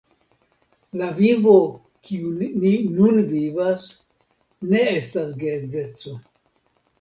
La vivo kiun ni nun vivas, ne estas geedzeco.